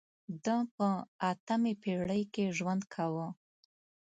ده په اتمې پېړۍ کې ژوند کاوه.